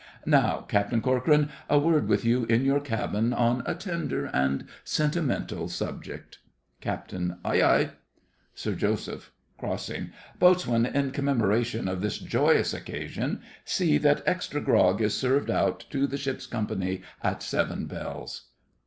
Now, Captain Corcoran, a word with you in your cabin, on a tender and sentimental subject. CAPT. Aye, aye, Sir Joseph (Crossing) Boatswain, in commemoration of this joyous occasion, see that extra grog is served out to the ship's company at seven bells.